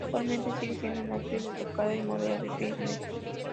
Actualmente sigue siendo una actriz destacada y modelo de fitness.